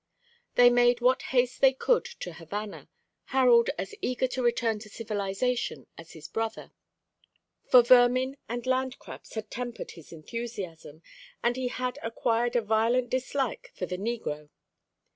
They made what haste they could to Havana, Harold as eager to return to civilisation as his brother; for vermin and land crabs had tempered his enthusiasm, and he had acquired a violent dislike for the negro.